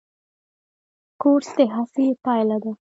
کورس د هڅې پایله ده.